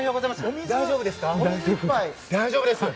大丈夫ですか？